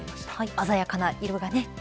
鮮やかな色がね。